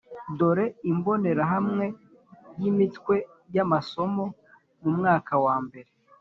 dore imbonerahamwe y’imitwe y‘amasomo mu mwaka wa mbere